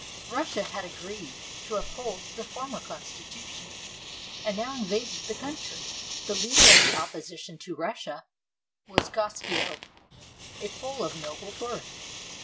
Russia had agreed to uphold the former constitution, and now invaded the country. The leader of the opposition to Russia was Kos ciusko, a Pole of noble birth.